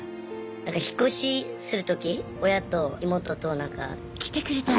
引っ越しする時親と妹となんか。来てくれたの？